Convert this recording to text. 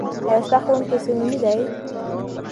ایا ستا ښوونکی صمیمي دی؟